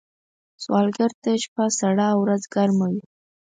سوالګر ته شپه سړه او ورځ ګرمه وي